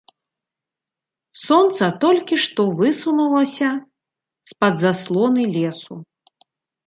Сонца толькі што высунулася з-пад заслоны лесу.